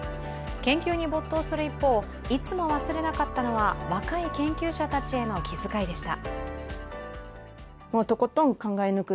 研究に没頭する一方、いつも忘れなかったのは若い研究者たちへの気遣いでした。